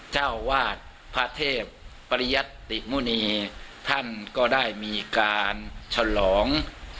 เจ้าวาดพระเทพปริยัตติมุณีท่านก็ได้มีการฉลอง